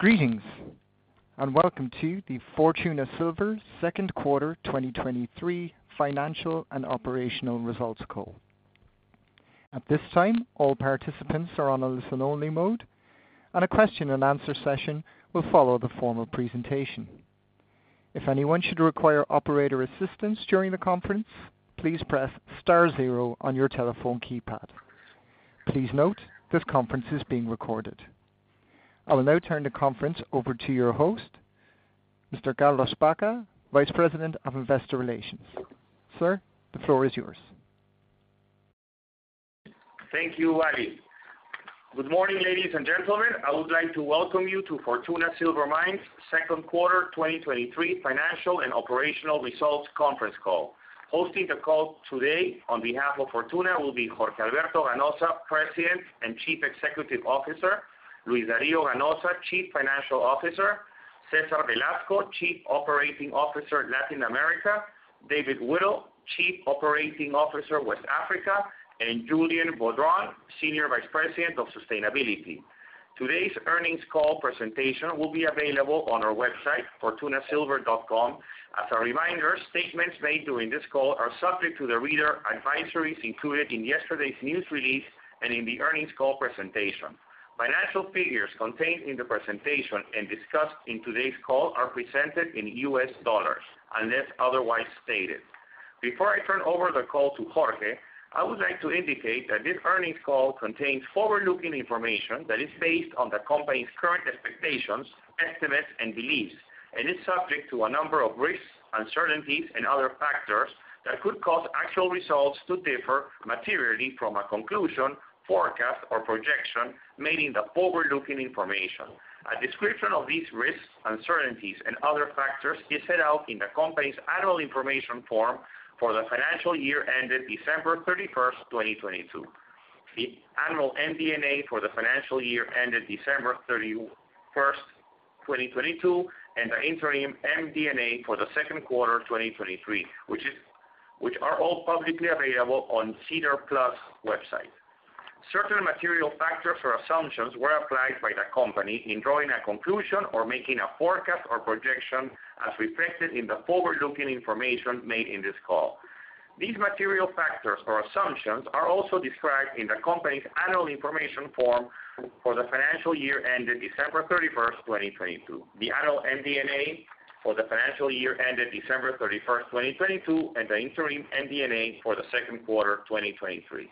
Greetings, welcome to the Fortuna Silver Mines second quarter 2023 financial and operational results call. At this time, all participants are on a listen-only mode, and a question-and-answer session will follow the formal presentation. If anyone should require operator assistance during the conference, please press star zero on your telephone keypad. Please note, this conference is being recorded. I will now turn the conference over to your host, Mr. Carlos Baca, Vice President of Investor Relations. Sir, the floor is yours. Thank you, Ali. Good morning, ladies and gentlemen. I would like to welcome you to Fortuna Silver Mines' second quarter 2023 financial and operational results conference call. Hosting the call today on behalf of Fortuna will be Jorge A. Ganoza, President and Chief Executive Officer, Luis D. Ganoza, Chief Financial Officer, Cesar Velasco, Chief Operating Officer, Latin America, David Whittle, Chief Operating Officer, West Africa, and Julien Baudrand, Senior Vice President of Sustainability. Today's earnings call presentation will be available on our website, fortunasilver.com. As a reminder, statements made during this call are subject to the reader advisories included in yesterday's news release and in the earnings call presentation. Financial figures contained in the presentation and discussed in today's call are presented in U.S. dollars, unless otherwise stated. Before I turn over the call to Jorge, I would like to indicate that this earnings call contains forward-looking information that is based on the company's current expectations, estimates, and beliefs, and is subject to a number of risks, uncertainties and other factors that could cause actual results to differ materially from a conclusion, forecast, or projection made in the forward-looking information. A description of these risks, uncertainties and other factors is set out in the company's annual information form for the financial year ended December 31st, 2022. The annual MD&A for the financial year ended December 31st, 2022, and the interim MD&A for the second quarter of 2023, which are all publicly available on SEDAR+ website. Certain material factors or assumptions were applied by the company in drawing a conclusion or making a forecast or projection as reflected in the forward-looking information made in this call. These material factors or assumptions are also described in the company's annual information form for the financial year ended December 31st, 2022, the annual MD&A for the financial year ended December 31st, 2022, and the interim MD&A for the second quarter of 2023.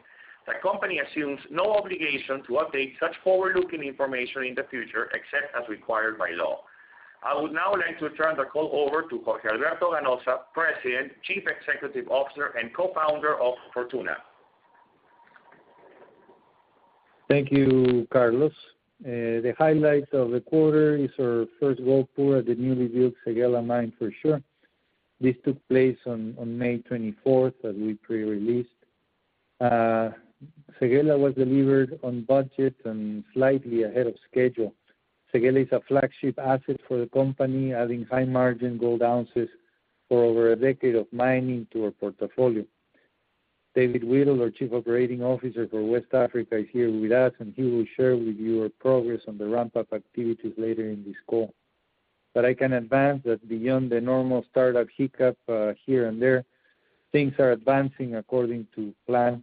The company assumes no obligation to update such forward-looking information in the future, except as required by law. I would now like to turn the call over to Jorge A. Ganoza, President, Chief Executive Officer, and Co-Founder of Fortuna. Thank you, Carlos. The highlights of the quarter is our first gold pour at the newly built Séguéla Mine for sure. This took place on May 24th, as we pre-released. Séguéla was delivered on budget and slightly ahead of schedule. Séguéla is a flagship asset for the company, adding high-margin gold ounces for over a decade of mining to our portfolio. David Whittle, our Chief Operating Officer for West Africa, is here with us, and he will share with you our progress on the ramp-up activities later in this call. I can advance that beyond the normal startup hiccup, here and there, things are advancing according to plan.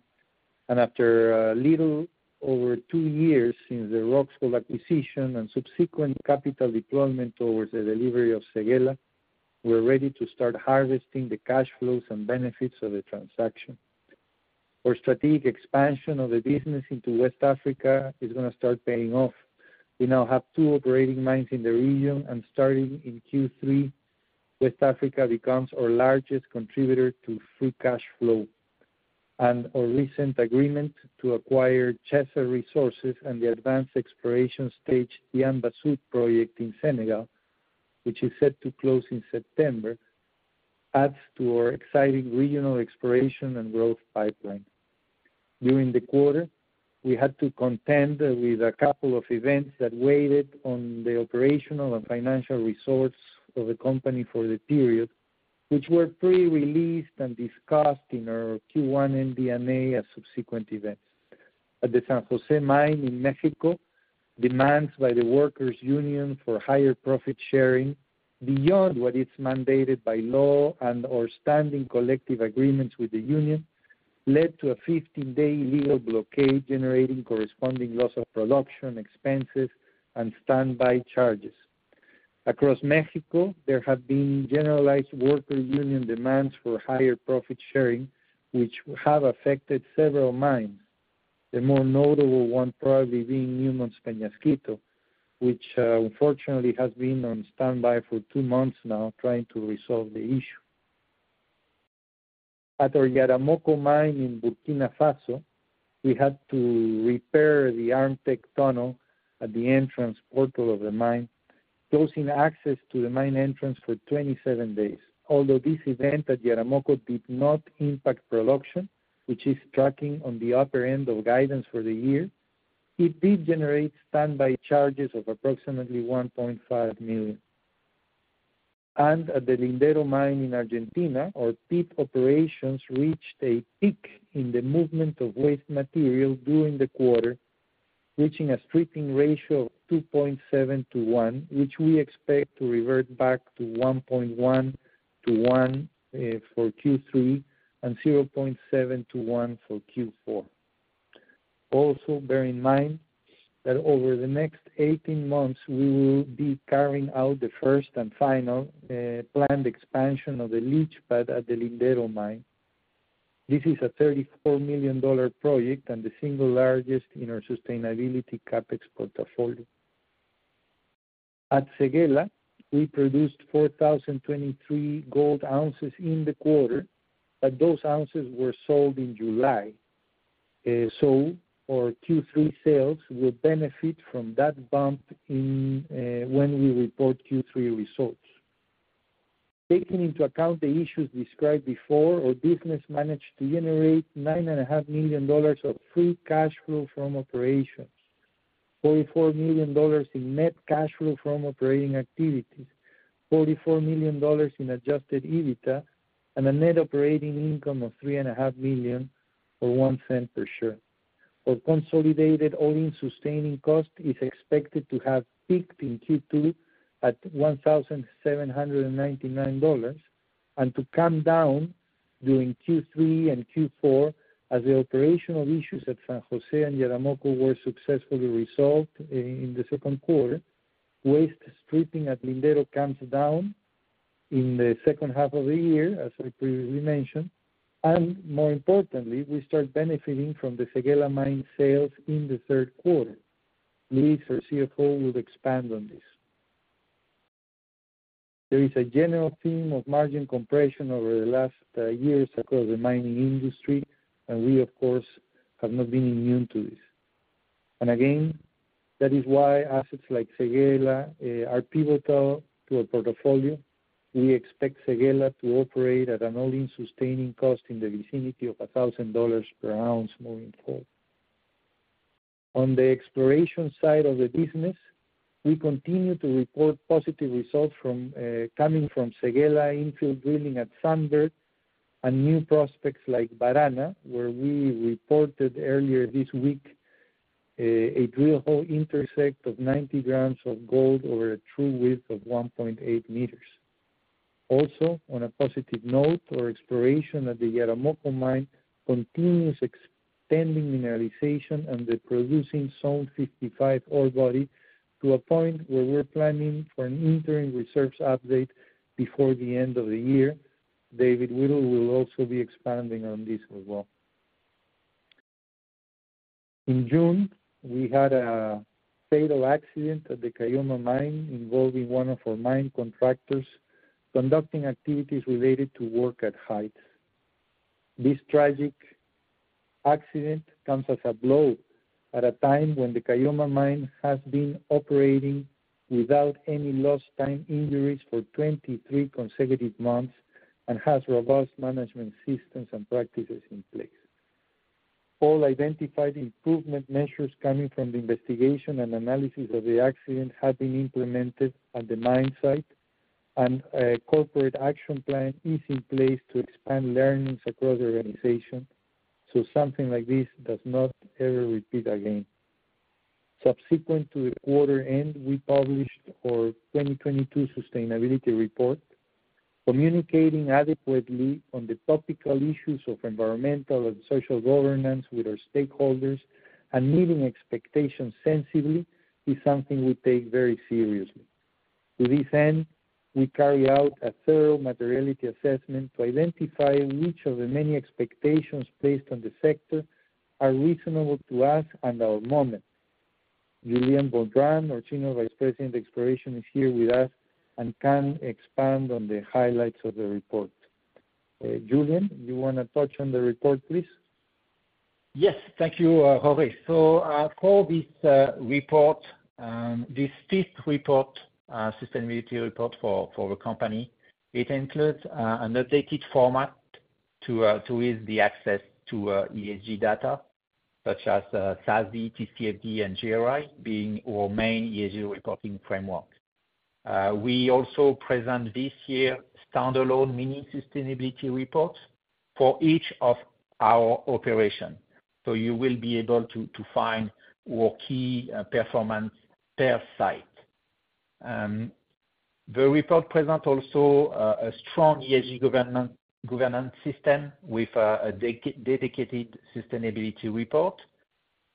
After a little over two years since the Roxgold acquisition and subsequent capital deployment towards the delivery of Séguéla, we're ready to start harvesting the cash flows and benefits of the transaction. Our strategic expansion of the business into West Africa is going to start paying off. We now have two operating mines in the region. Starting in Q3, West Africa becomes our largest contributor to free cash flow. Our recent agreement to acquire Chesser Resources and the advanced exploration stage Diamba Sud project in Senegal, which is set to close in September, adds to our exciting regional exploration and growth pipeline. During the quarter, we had to contend with a couple of events that weighed on the operational and financial resource of the company for the period, which were pre-released and discussed in our Q1 MD&A at subsequent events. At the San Jose mine in Mexico, demands by the workers union for higher profit sharing beyond what is mandated by law and/or standing collective agreements with the union, led to a 15-day legal blockade, generating corresponding loss of production, expenses, and standby charges. Across Mexico, there have been generalized worker union demands for higher profit sharing, which have affected several mines. The more notable one probably being Newmont Peñasquito, which, unfortunately, has been on standby for two months now, trying to resolve the issue. At our Yaramoko mine in Burkina Faso, we had to repair the Armtec tunnel at the entrance portal of the mine, closing access to the mine entrance for 27 days. Although this event at Yaramoko did not impact production, which is tracking on the upper end of guidance for the year, it did generate standby charges of approximately $1.5 million. At the Lindero mine in Argentina, our pit operations reached a peak in the movement of waste material during the quarter, reaching a stripping ratio of 2.7 to one, which we expect to revert back to 1.1 to one for Q3, and 0.7 to one for Q4. Also, bear in mind that over the next 18 months, we will be carrying out the first and final planned expansion of the leach pad at the Lindero mine. This is a $34 million project and the single largest in our sustainability CapEx portfolio. At Séguéla, we produced 4,023 gold ounces in the quarter, but those ounces were sold in July. So our Q3 sales will benefit from that bump in when we report Q3 results. Taking into account the issues described before, our business managed to generate $9.5 million of free cash flow from operations, $44 million in net cash flow from operating activities, $44 million in adjusted EBITDA, and a net operating income of $3.5 million, or $0.01 per share. Our consolidated all-in sustaining cost is expected to have peaked in Q2 at $1,799, and to come down during Q3 and Q4 as the operational issues at San Jose and Yaramoko were successfully resolved in the second quarter. Waste stripping at Lindero comes down in the second half of the year, as I previously mentioned, and more importantly, we start benefiting from the Séguéla mine sales in the third quarter. Luis, CFO, will expand on this. There is a general theme of margin compression over the last, years across the mining industry, and we, of course, have not been immune to this. Again, that is why assets like Séguéla are pivotal to our portfolio. We expect Séguéla to operate at an all-in sustaining cost in the vicinity of $1,000 per ounce moving forward. On the exploration side of the business, we continue to report positive results from coming from Séguéla infill drilling at Sunbird, and new prospects like Barana, where we reported earlier this week, a drill hole intersect of 90 grams of gold over a true width of 1.8 meters. On a positive note, our exploration at the Yaramoko mine continues extending mineralization and the producing Zone 55 ore body to a point where we're planning for an interim research update before the end of the year. David Whittle will also be expanding on this as well. In June, we had a fatal accident at the Caylloma mine, involving one of our mine contractors conducting activities related to work at height. This tragic accident comes as a blow at a time when the Caylloma mine has been operating without any lost-time injuries for 23 consecutive months and has robust management systems and practices in place. All identified improvement measures coming from the investigation and analysis of the accident have been implemented at the mine site, and a corporate action plan is in place to expand learnings across the organization, so something like this does not ever repeat again. Subsequent to the quarter end, we published our 2022 sustainability report. Communicating adequately on the topical issues of environmental and social governance with our stakeholders and meeting expectations sensibly is something we take very seriously. To this end, we carry out a thorough materiality assessment to identify which of the many expectations placed on the sector are reasonable to us and our moment. Julien Baudrand, our Senior Vice President of Sustainability, is here with us and can expand on the highlights of the report. Julien, you want to touch on the report, please? Yes, thank you, Jorge. For this report, this fifth report, sustainability report for the company, it includes an updated format to ease the access to ESG data, such as SASB, TCFD, and GRI being our main ESG reporting framework. We also present this year standalone mini sustainability reports for each of our operation. You will be able to find our key performance per site. The report present also a strong ESG governance system with a dedicated sustainability report,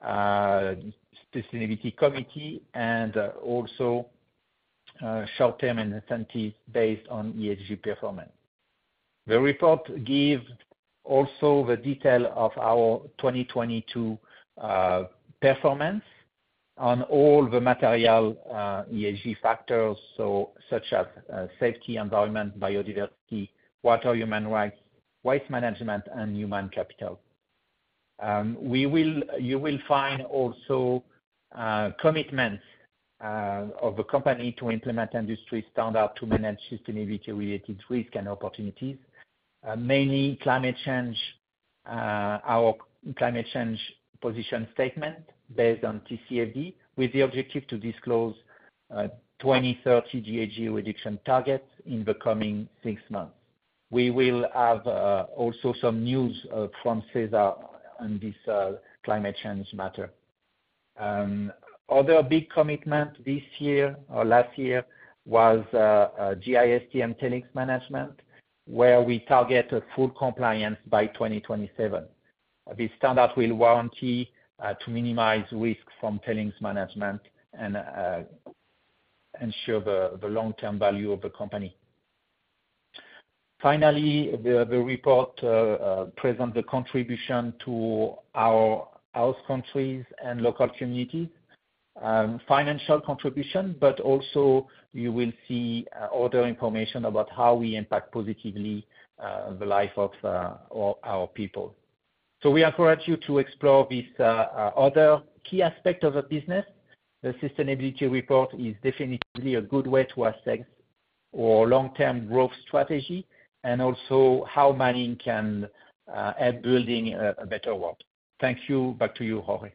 sustainability committee, and also short-term incentives based on ESG performance. The report give also the detail of our 2022 performance on all the material ESG factors, such as safety, environment, biodiversity, water, human rights, waste management, and human capital. You will find also commitments of the company to implement industry standard to manage sustainability-related risk and opportunities, mainly climate change, our climate change position statement based on TCFD, with the objective to disclose 2030 GHG reduction target in the coming 6 months. We will have also some news from Cesar on this climate change matter. Other big commitment this year or last year was GIST and tailings management, where we target a full compliance by 2027. This standard will warranty to minimize risk from tailings management and ensure the long-term value of the company. Finally, the report present the contribution to our host countries and local community. Financial contribution, but also you will see other information about how we impact positively the life of our, our people. We encourage you to explore this other key aspect of the business. The sustainability report is definitely a good way to assess our long-term growth strategy and also how mining can help building a better world. Thank you. Back to you, Jorge.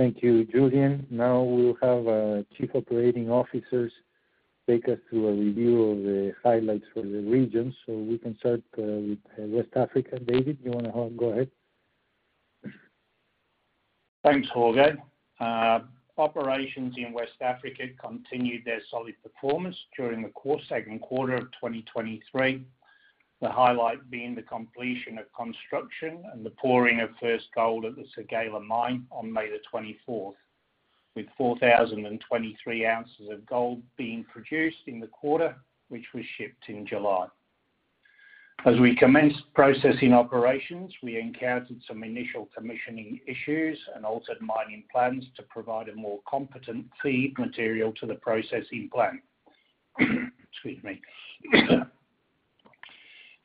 Thank you, Julien. We'll have our Chief Operating Officers take us through a review of the highlights for the region. We can start with West Africa. David, you want to go ahead? Thanks, Jorge. Operations in West Africa continued their solid performance during the course second quarter of 2023. The highlight being the completion of construction and the pouring of first gold at the Séguéla Mine on May 24th, with 4,023 ounces of gold being produced in the quarter, which was shipped in July. As we commenced processing operations, we encountered some initial commissioning issues and altered mining plans to provide a more competent feed material to the processing plant.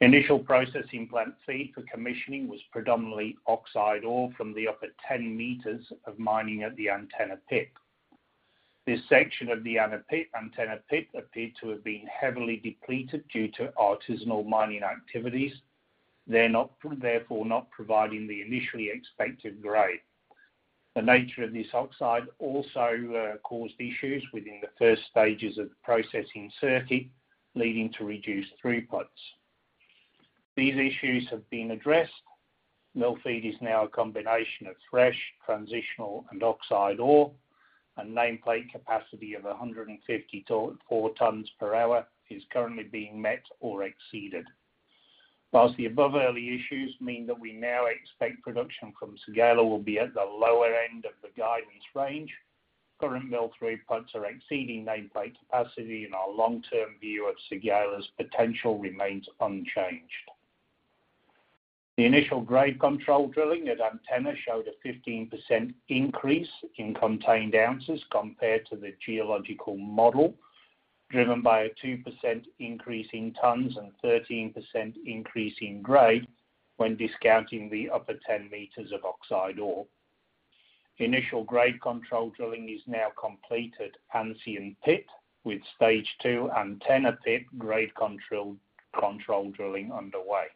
Initial processing plant feed for commissioning was predominantly oxide ore from the upper ten meters of mining at the Antenna Pit. This section of the Antenna Pit appeared to have been heavily depleted due to artisanal mining activities. Therefore, not providing the initially expected grade. The nature of this oxide also caused issues within the first stages of the processing circuit, leading to reduced throughputs. These issues have been addressed. Mill feed is now a combination of fresh, transitional and oxide ore, and nameplate capacity of 150 to four tons per hour is currently being met or exceeded. Whilst the above early issues mean that we now expect production from Séguéla will be at the lower end of the guidance range, current mill throughputs are exceeding nameplate capacity, and our long-term view of Séguéla's potential remains unchanged. The initial grade control drilling at Antenna showed a 15% increase in contained ounces compared to the geological model, driven by a 2% increase in tons and 13% increase in grade when discounting the upper ten meters of oxide ore. Initial grade control drilling is now complete at Ancien Pit, with stage two Antenna Pit grade control drilling underway.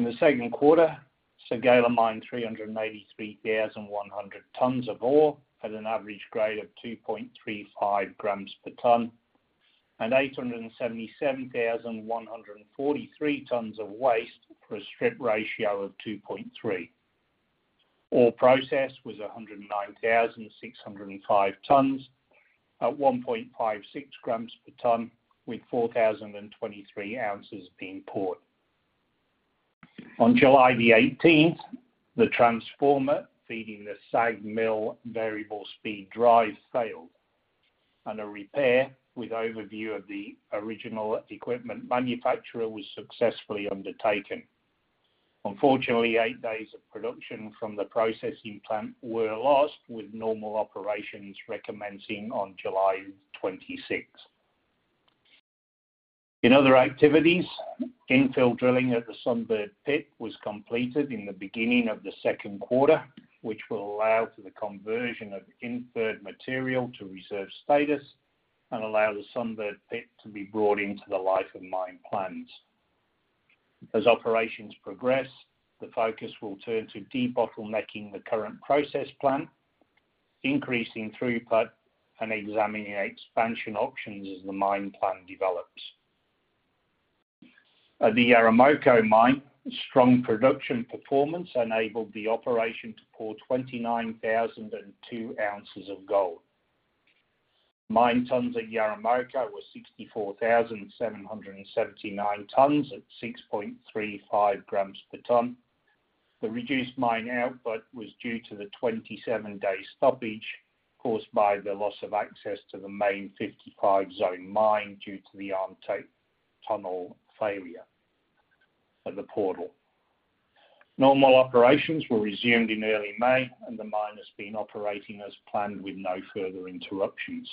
In the second quarter, Séguéla mined 383,100 tons of ore at an average grade of 2.35 grams per ton, and 877,143 tons of waste for a strip ratio of 2.3. Ore process was 109,605 tons at 1.56 grams per ton, with 4,023 ounces being poured. On July 18th, the transformer feeding the SAG mill variable speed drive failed. A repair with overview of the original equipment manufacturer was successfully undertaken. Unfortunately, eight days of production from the processing plant were lost, with normal operations recommencing on July 26. In other activities, infill drilling at the Sunbird Pit was completed in the beginning of the second quarter, which will allow for the conversion of inferred material to reserve status and allow the Sunbird Pit to be brought into the life of mine plans. As operations progress, the focus will turn to debottlenecking the current process plant, increasing throughput, and examining expansion options as the mine plan develops. At the Yaramoko mine, strong production performance enabled the operation to pour 29,002 ounces of gold. Mine tons at Yaramoko were 64,779 tons at 6.35 grams per ton. The reduced mine output was due to the 27-day stoppage caused by the loss of access to the main Zone 55 mine, due to the Armtec tunnel failure at the portal. Normal operations were resumed in early May, and the mine has been operating as planned with no further interruptions.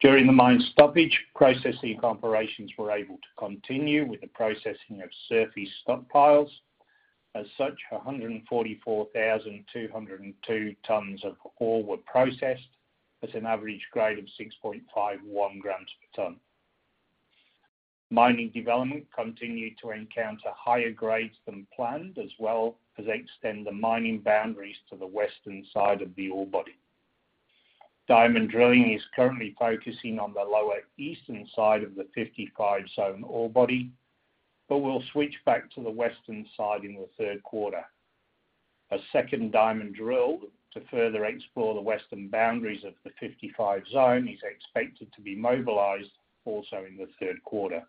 During the mine stoppage, processing operations were able to continue with the processing of surface stockpiles. As such, 144,202 tons of ore were processed at an average grade of 6.51 grams per ton. Mining development continued to encounter higher grades than planned, as well as extend the mining boundaries to the western side of the ore body. Diamond drilling is currently focusing on the lower eastern side of the Zone 55 ore body, but will switch back to the western side in the third quarter. A second diamond drill to further explore the western boundaries of the Zone 55 is expected to be mobilized also in the third quarter.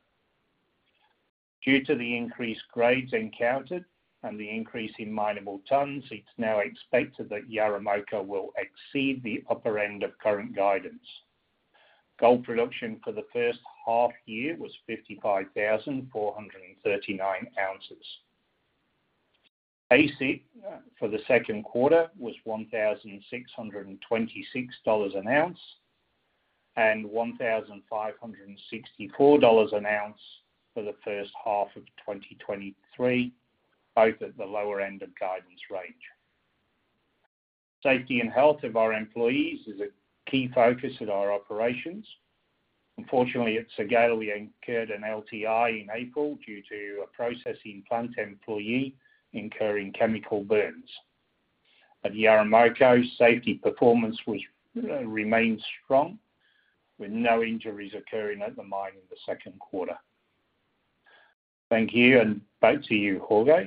Due to the increased grades encountered and the increase in minable tons, it's now expected that Yaramoko will exceed the upper end of current guidance. Gold production for the first half year was 55,439 ounces. AISC for the second quarter was $1,626 an ounce, and $1,564 an ounce for the first half of 2023, both at the lower end of guidance range. Safety and health of our employees is a key focus of our operations. Unfortunately, at Séguéla, we incurred an LTI in April due to a processing plant employee incurring chemical burns. At Yaramoko, safety performance was, remains strong, with no injuries occurring at the mine in the second quarter. Thank you, and back to you, Jorge.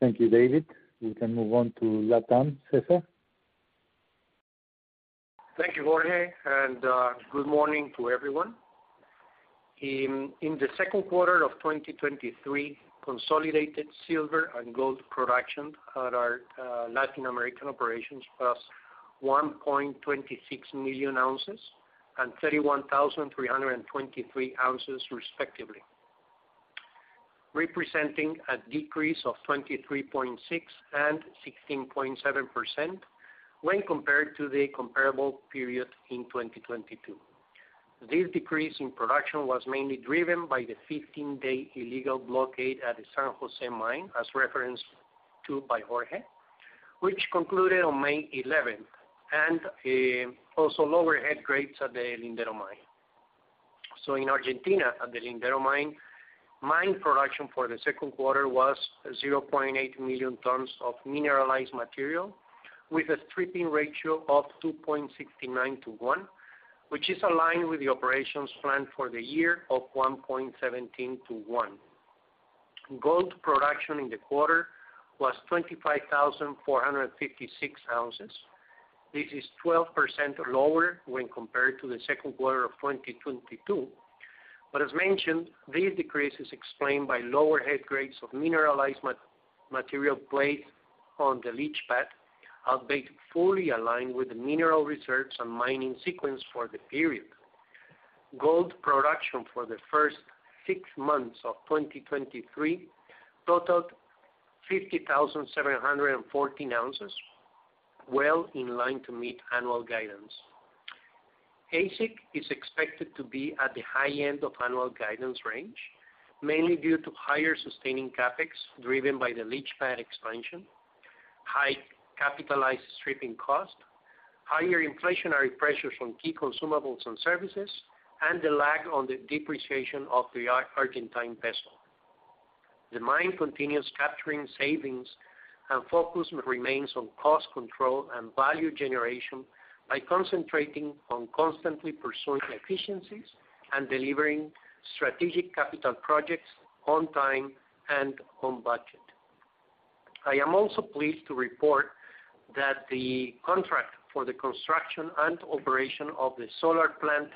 Thank you, David. We can move on to LatAm. Cesar? Thank you, Jorge. Good morning to everyone. In the second quarter of 2023, consolidated silver and gold production at our Latin American operations was 1.26 million ounces and 31,323 ounces, respectively, representing a decrease of 23.6% and 16.7% when compared to the comparable period in 2022. This decrease in production was mainly driven by the 15-day illegal blockade at the San Jose mine, as referenced to by Jorge, which concluded on May 11th, and also lower head grades at the Lindero mine. In Argentina, at the Lindero mine, mine production for the second quarter was 0.8 million tons of mineralized material, with a stripping ratio of 2.69 to 1, which is aligned with the operations plan for the year of 1.17 to 1. Gold production in the quarter was 25,456 ounces. This is 12% lower when compared to the second quarter of 2022. As mentioned, this decrease is explained by lower head grades of mineralized material placed on the leach pad, albeit fully aligned with the mineral reserves and mining sequence for the period. Gold production for the first six months of 2023 totaled 50,714 ounces, well in line to meet annual guidance. AISC is expected to be at the high end of annual guidance range, mainly due to higher sustaining CapEx, driven by the leach pad expansion, high capitalized stripping cost, higher inflationary pressures on key consumables and services, and the lag on the depreciation of the Argentine peso. The mine continues capturing savings, focus remains on cost control and value generation by concentrating on constantly pursuing efficiencies and delivering strategic capital projects on time and on budget. I am also pleased to report that the contract for the construction and operation of the solar plant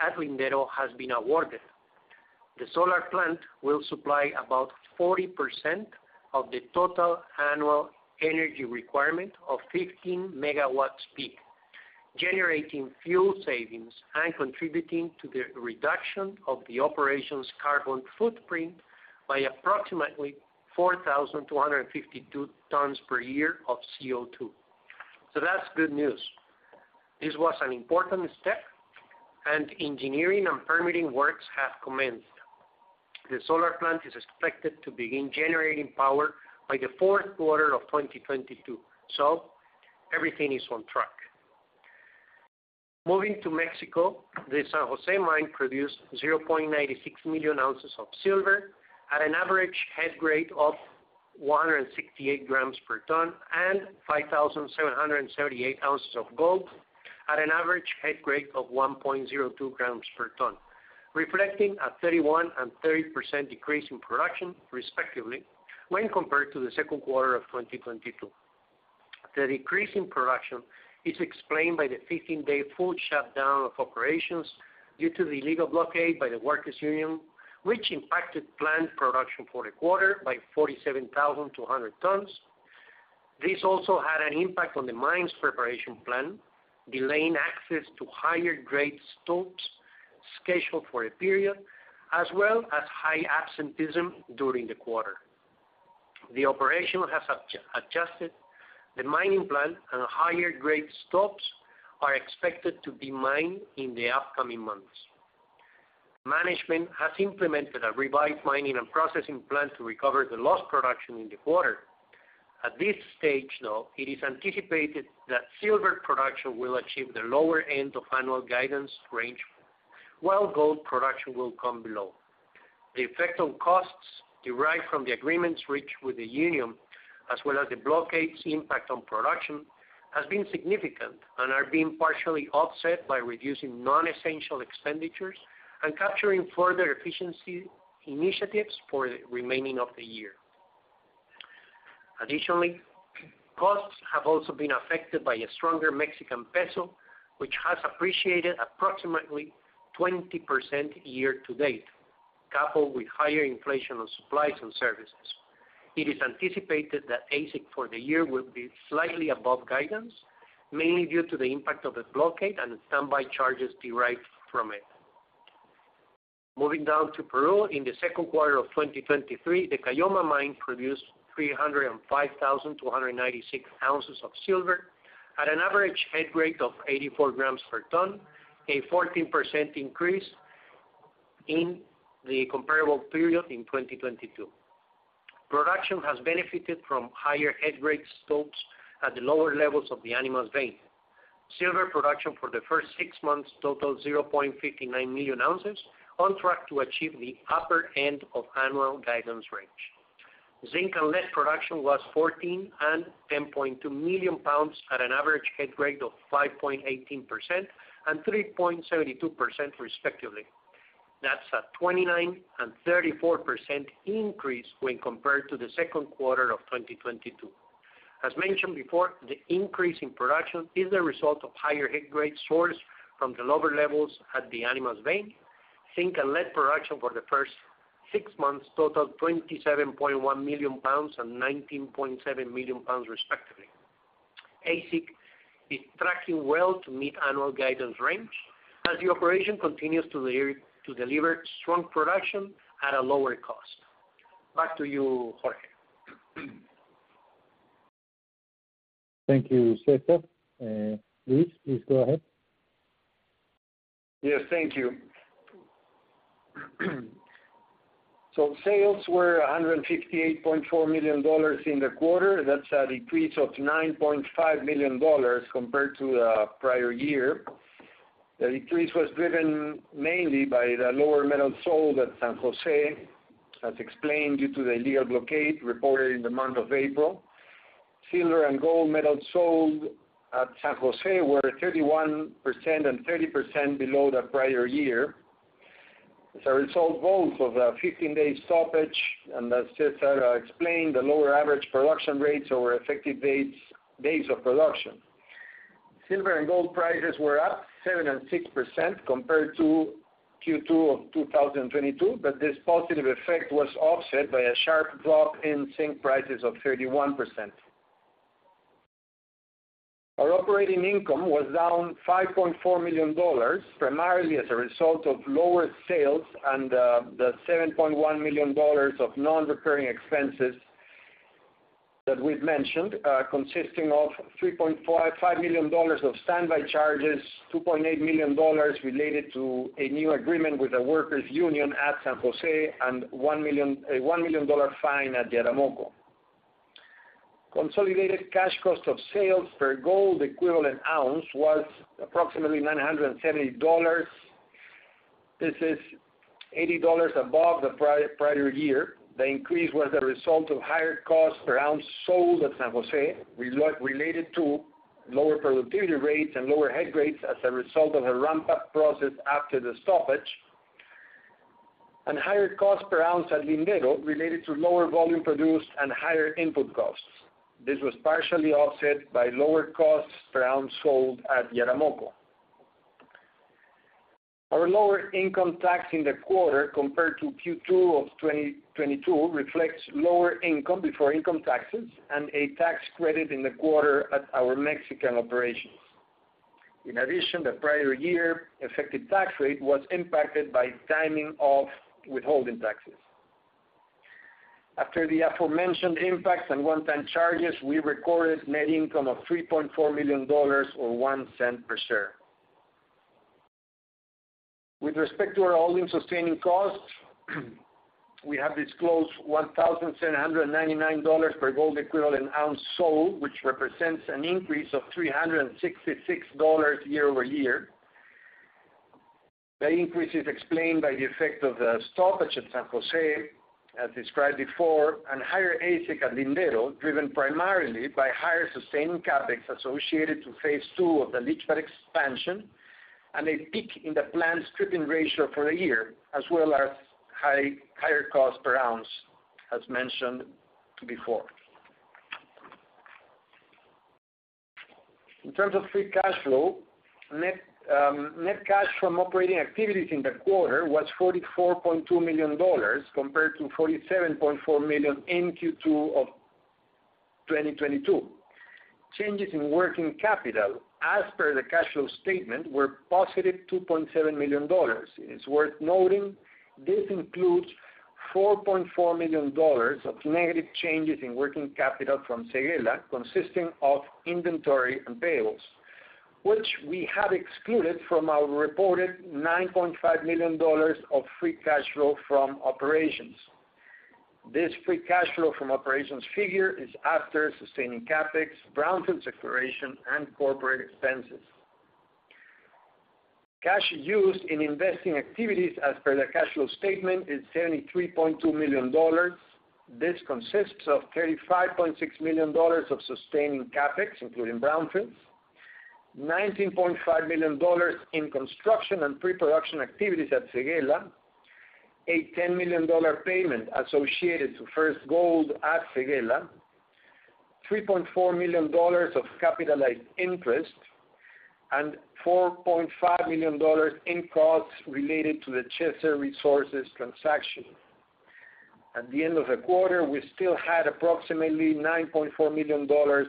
at Lindero has been awarded. The solar plant will supply about 40% of the total annual energy requirement of 15 megawatts peak, generating fuel savings and contributing to the reduction of the operations carbon footprint by approximately 4,252 tons per year of CO2. That's good news. This was an important step, engineering and permitting works have commenced. The solar plant is expected to begin generating power by the fourth quarter of 2022, everything is on track. Moving to Mexico, the San Jose mine produced 0.96 million ounces of silver at an average head grade of 168 grams per ton, and 5,778 ounces of gold at an average head grade of 1.02 grams per ton, reflecting a 31% and 30% decrease in production, respectively, when compared to the second quarter of 2022. The decrease in production is explained by the 15-day full shutdown of operations due to the illegal blockade by the workers' union, which impacted plant production for the quarter by 47,200 tons. This also had an impact on the mine's preparation plan, delaying access to higher grade stopes scheduled for the period, as well as high absenteeism during the quarter. The operation has adjusted the mining plan, and higher-grade stopes are expected to be mined in the upcoming months. Management has implemented a revised mining and processing plan to recover the lost production in the quarter. At this stage, though, it is anticipated that silver production will achieve the lower end of annual guidance range, while gold production will come below. The effect on costs derived from the agreements reached with the union, as well as the blockage impact on production, has been significant and are being partially offset by reducing non-essential expenditures and capturing further efficiency initiatives for the remaining of the year. Additionally, costs have also been affected by a stronger Mexican peso, which has appreciated approximately 20% year-to-date, coupled with higher inflation on supplies and services. It is anticipated that AISC for the year will be slightly above guidance, mainly due to the impact of the blockade and the standby charges derived from it. Moving down to Peru, in the second quarter of 2023, the Caylloma mine produced 305,296 ounces of silver at an average head grade of 84 grams per ton, a 14% increase in the comparable period in 2022. Production has benefited from higher head grade stocks at the lower levels of the Animas vein. Silver production for the first six months totaled 0.59 million ounces, on track to achieve the upper end of annual guidance range. Zinc and lead production was 14 and 10.2 million pounds at an average head grade of 5.18% and 3.72%, respectively. That's a 29 and 34% increase when compared to the second quarter of 2022. As mentioned before, the increase in production is the result of higher head grade source from the lower levels at the Animas vein. Zinc and lead production for the first six months totaled 27.1 million pounds and 19.7 million pounds, respectively. AISC is tracking well to meet annual guidance range, as the operation continues to deliver strong production at a lower cost. Back to you, Jorge. Thank you, Cesar. Luis, please go ahead. Yes, thank you. Sales were $158.4 million in the quarter. That's a decrease of $9.5 million compared to the prior year. The decrease was driven mainly by the lower metal sold at San Jose, as explained, due to the illegal blockade reported in the month of April. Silver and gold metal sold at San Jose were 31% and 30% below the prior year. As a result, both of the 15-day stoppage, and as Cesar explained, the lower average production rates over effective dates, days of production. Silver and gold prices were up 7% and 6% compared to Q2 of 2022, this positive effect was offset by a sharp drop in zinc prices of 31%. Our operating income was down $5.4 million, primarily as a result of lower sales and the $7.1 million of non-recurring expenses that we've mentioned, consisting of $3.5 million of standby charges, $2.8 million related to a new agreement with the workers union at San Jose, and a $1 million fine at Yaramoko. Consolidated cash cost of sales per gold equivalent ounce was approximately $970. This is $80 above the prior year. The increase was a result of higher costs per ounce sold at San Jose, related to lower productivity rates and lower head grades as a result of a ramp-up process after the stoppage, and higher costs per ounce at Lindero, related to lower volume produced and higher input costs. This was partially offset by lower costs per ounce sold at Yaramoko. Our lower income tax in the quarter, compared to Q2 of 2022, reflects lower income before income taxes and a tax credit in the quarter at our Mexican operations. In addition, the prior year effective tax rate was impacted by timing of withholding taxes. After the aforementioned impacts and one-time charges, we recorded net income of $3.4 million, or $0.01 per share. With respect to our all-in sustaining costs, we have disclosed $1,799 per gold equivalent ounce sold, which represents an increase of $366 year-over-year. The increase is explained by the effect of the stoppage at San Jose, as described before, and higher AISC at Lindero, driven primarily by higher sustained CapEx associated to phase two of the leach pad expansion, and a peak in the planned stripping ratio for the year, as well as higher costs per ounce, as mentioned before. In terms of free cash flow, net cash from operating activities in the quarter was $44.2 million, compared to $47.4 million in Q2 of 2022. Changes in working capital, as per the cash flow statement, were positive $2.7 million. It is worth noting, this includes $4.4 million of negative changes in working capital from Séguéla, consisting of inventory and payables, which we have excluded from our reported $9.5 million of free cash flow from operations. This free cash flow from operations figure is after sustaining CapEx, brownfield exploration, and corporate expenses. Cash used in investing activities, as per the cash flow statement, is $73.2 million. This consists of $35.6 million of sustaining CapEx, including brownfields, $19.5 million in construction and pre-production activities at Séguéla, a $10 million payment associated to first gold at Séguéla, $3.4 million of capitalized interest, and $4.5 million in costs related to the Chesser Resources transaction. At the end of the quarter, we still had approximately $9.4 million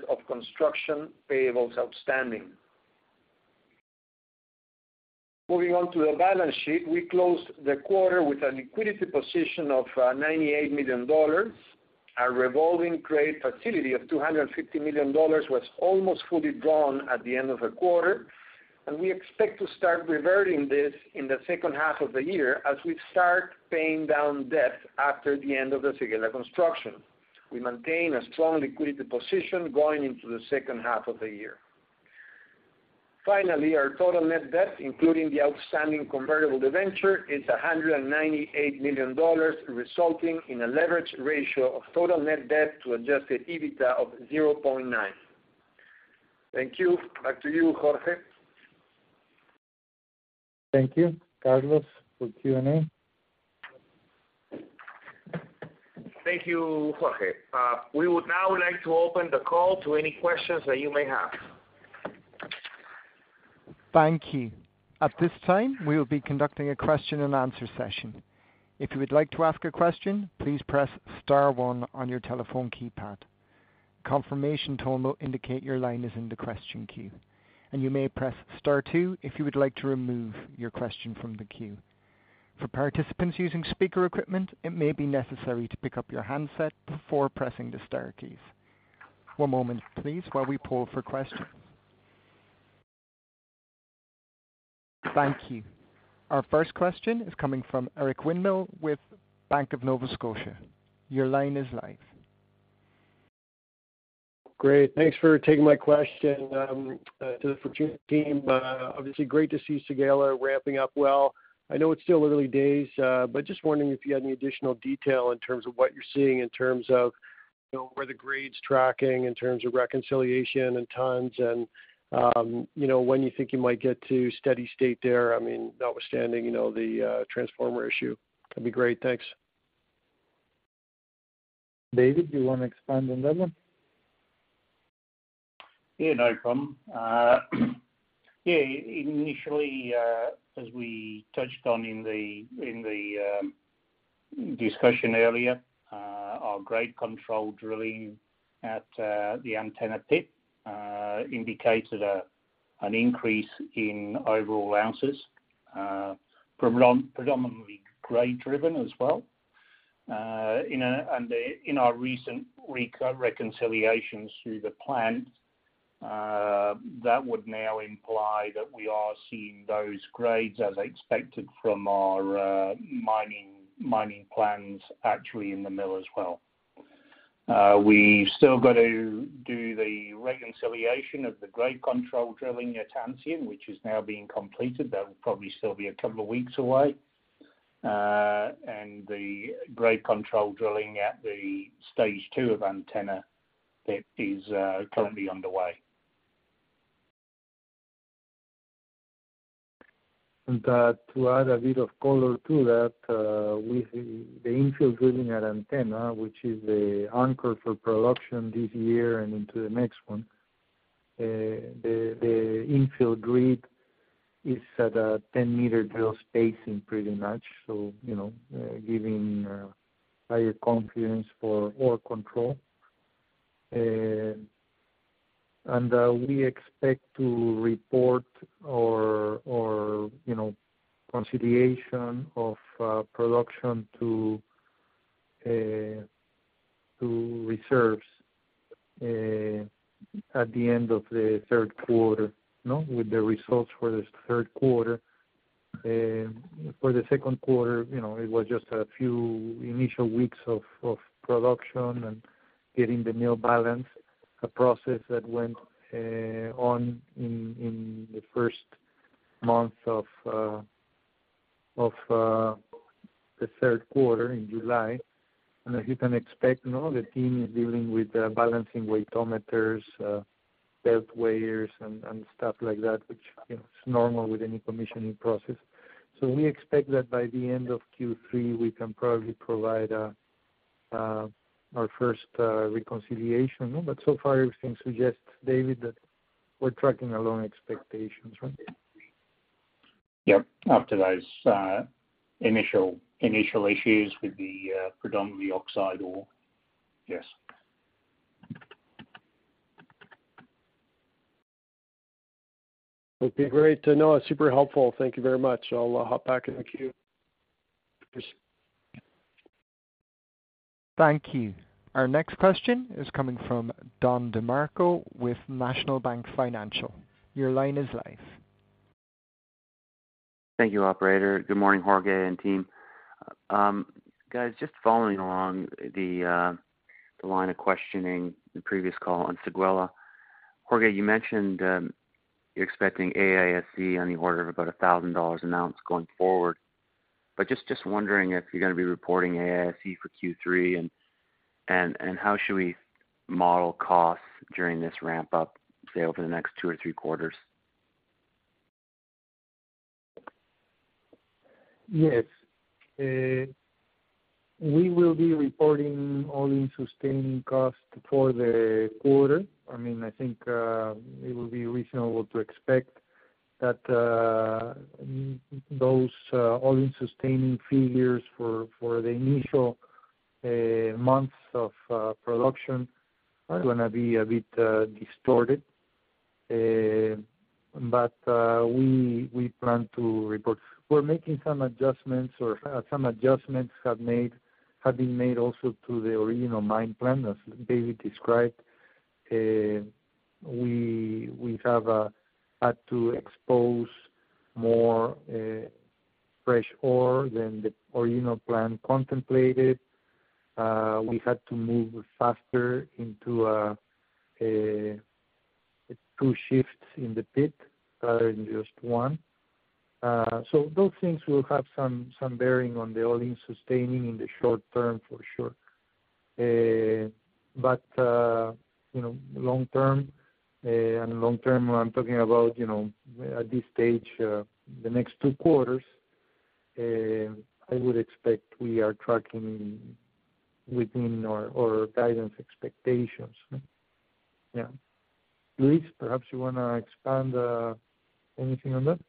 of construction payables outstanding. Moving on to the balance sheet, we closed the quarter with a liquidity position of $98 million. Our revolving credit facility of $250 million was almost fully drawn at the end of the quarter, and we expect to start reverting this in the second half of the year as we start paying down debt after the end of the Séguéla construction. We maintain a strong liquidity position going into the second half of the year. Finally, our total net debt, including the outstanding convertible debenture, is $198 million, resulting in a leverage ratio of total net debt to adjusted EBITDA of 0.9. Thank you. Back to you, Jorge. Thank you, Carlos, for Q&A. Thank you, Jorge. We would now like to open the call to any questions that you may have. Thank you. At this time, we will be conducting a question and answer session. If you would like to ask a question, please press star one on your telephone keypad. Confirmation tone will indicate your line is in the question queue, and you may press star two if you would like to remove your question from the queue. For participants using speaker equipment, it may be necessary to pick up your handset before pressing the star keys. One moment, please, while we pull for questions. Thank you. Our first question is coming from Eric Winmill with Bank of Nova Scotia. Your line is live. Great. Thanks for taking my question to the Fortuna team. Obviously, great to see Séguéla ramping up well. I know it's still early days, but just wondering if you had any additional detail in terms of what you're seeing in terms of, you know, where the grade's tracking, in terms of reconciliation and tons, and, you know, when you think you might get to steady state there, I mean, notwithstanding, you know, the transformer issue. That'd be great. Thanks. David, do you want to expand on that one? Yeah, no problem. Yeah, initially, as we touched on in the, in the discussion earlier, our grade control drilling at the Antenna Pit indicated an increase in overall ounces, predominantly grade driven as well. You know, and in our recent reconciliations through the plant, that would now imply that we are seeing those grades as expected from our mining, mining plans actually in the mill as well. We've still got to do the reconciliation of the grade control drilling at Ancien, which is now being completed. That will probably still be a couple of weeks away. The grade control drilling at the stage two of Antenna Pit is currently underway. To add a bit of color to that, with the, the infill drilling at Antenna, which is the anchor for production this year and into the next one, the, the infill grid is at a 10-meter drill spacing, pretty much. You know, giving higher confidence for ore control. And we expect to report our, our, you know, consideration of production to to reserves at the end of the third quarter, you know, with the results for this third quarter. For the second quarter, you know, it was just a few initial weeks of, of production and getting the mill balanced, a process that went on in, in the first month of, of the third quarter in July. You can expect, you know, the team is dealing with the balancing weightometers, belt weighers, and stuff like that, which, you know, is normal with any commissioning process. We expect that by the end of Q3, we can probably provide our first reconciliation. So far, everything suggests, David, that we're tracking along expectations, right? Yep, after those, initial, initial issues with the, predominantly oxide ore. Yes. Would be great to know. Super helpful. Thank you very much. I'll hop back in the queue. Appreciate. Thank you. Our next question is coming from Don DeMarco with National Bank Financial. Your line is live. Thank you, operator. Good morning, Jorge and team. Guys, just following along the line of questioning the previous call on Séguéla. Jorge, you mentioned you're expecting AISC on the order of about $1,000 an ounce going forward. Just wondering if you're gonna be reporting AISC for Q3, and how should we model costs during this ramp up, say, over the next two or three quarters? Yes. We will be reporting all-in sustaining cost for the quarter. I mean, I think, it will be reasonable to expect that those all-in sustaining figures for the initial months of production are gonna be a bit distorted. We, we plan to report. We're making some adjustments, or some adjustments have been made also to the original mine plan, as David described. We, we have had to expose more fresh ore than the original plan contemplated. We had to move faster into two shifts in the pit rather than just one. Those things will have some, some bearing on the all-in sustaining in the short term, for sure. You know, long term, and long term, I'm talking about, you know, at this stage, the next two quarters, I would expect we are tracking within our, our guidance expectations. Yeah. Luis, perhaps you wanna expand, anything on that?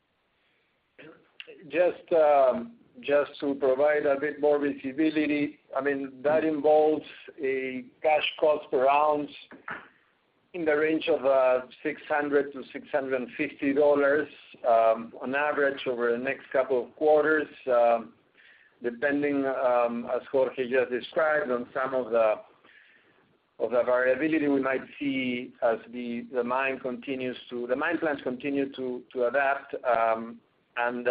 Just, just to provide a bit more visibility. I mean, that involves a cash cost per ounce in the range of $600-$650 on average over the next couple of quarters, depending, as Jorge just described, on some of the, of the variability we might see as the mine plans continue to adapt, and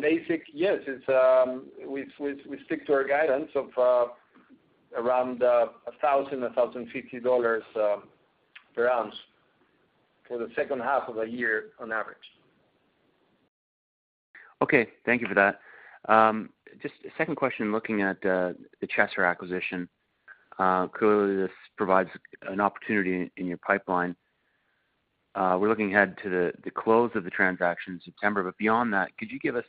basic, yes, it's, we stick to our guidance of around $1,000-$1,050 per ounce for the second half of the year on average. Okay, thank you for that. Just a second question, looking at the Chesser acquisition. Clearly, this provides an opportunity in your pipeline. We're looking ahead to the, the close of the transaction in September, but beyond that, could you give us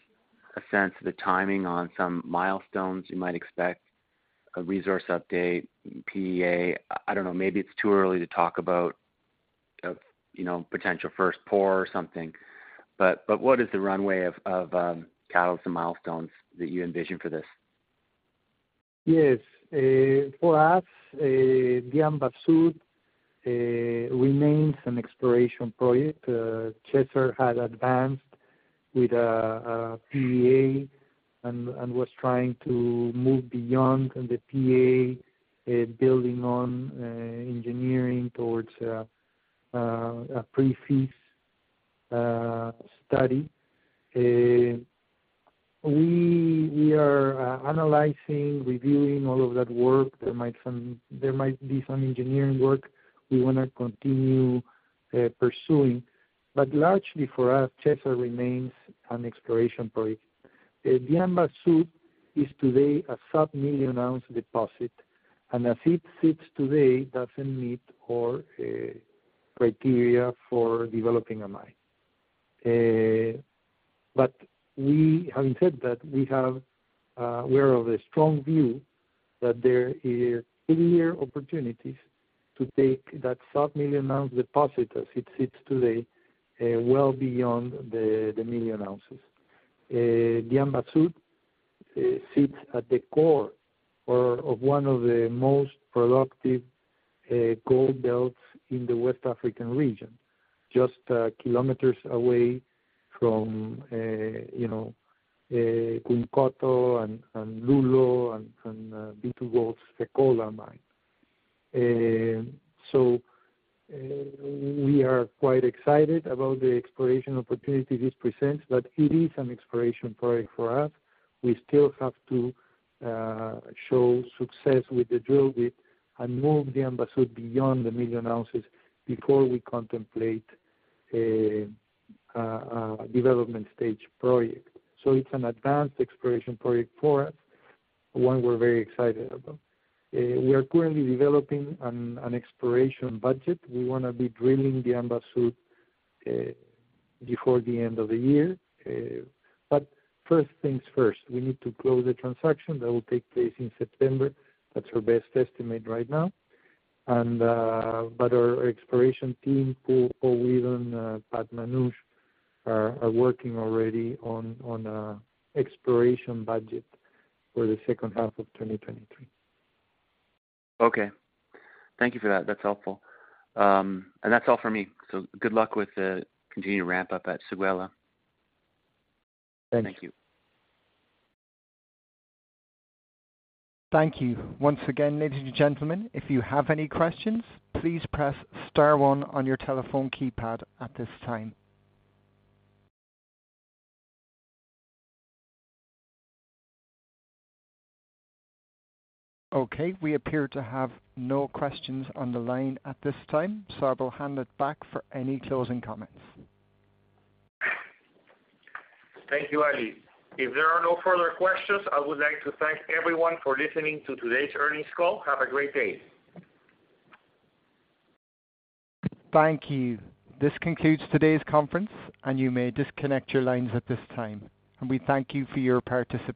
a sense of the timing on some milestones you might expect, a resource update, PEA? I don't know, maybe it's too early to talk about, you know, potential first poor or something, but, but what is the runway of, of, catalysts and milestones that you envision for this? Yes. For us, Diamba Sud remains an exploration project. Chesser had advanced with a PEA and was trying to move beyond the PEA, building on engineering towards a pre-feasibility study. We are analyzing, reviewing all of that work. There might some, there might be some engineering work we wanna continue pursuing. Largely for us, Chesser remains an exploration project. Diamba Sud is today a submillion-ounce deposit, and as it sits today, doesn't meet our criteria for developing a mine. We, having said that, we have, we are of a strong view that there are clear opportunities to take that submillion-ounce deposit, as it sits today, well beyond the million ounces. Diamba Sud sits at the core or of one of the most productive gold belts in the West African region, just kilometers away from, you know, Gounkoto and Loulo and B2Gold. We are quite excited about the exploration opportunity this presents, but it is an exploration project for us. We still have to show success with the drill bit and move Diamba Sud beyond the 1 million ounces before we contemplate a development stage project. It's an advanced exploration project for us, one we're very excited about. We are currently developing an exploration budget. We wanna be drilling Diamba Sud before the end of the year. First things first, we need to close the transaction. That will take place in September. That's our best estimate right now. Our exploration team, Paul Weedon, Patrick Manoogian, are, are working already on, on a exploration budget for the second half of 2023. Okay. Thank you for that. That's helpful. That's all for me. Good luck with the continued ramp up at Séguéla. Thank you. Thank you. Thank you. Once again, ladies and gentlemen, if you have any questions, please press Star one on your telephone keypad at this time. Okay, we appear to have no questions on the line at this time, so I will hand it back for any closing comments. Thank you, Ali. If there are no further questions, I would like to thank everyone for listening to today's earnings call. Have a great day! Thank you. This concludes today's conference. You may disconnect your lines at this time. We thank you for your participation.